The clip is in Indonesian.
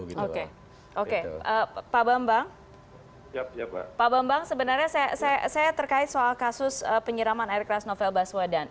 pak bambang sebenarnya saya terkait soal kasus penyeraman air keras novel baswedan